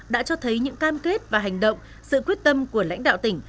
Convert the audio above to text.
đã cho thấy những cam kết và hành động sự quyết tâm của lãnh đạo tỉnh